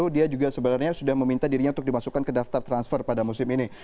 dia juga sebenarnya sudah meminta dirinya untuk dimasukkan ke daftar transfer pada musim ini